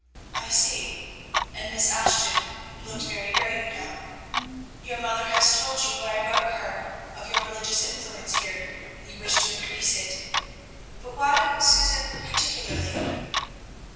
"I see," and Miss Ashton looked very grave now. "Your mother has told you what I wrote her of your religious influence here, and you wish to increase it; but why Susan particularly?"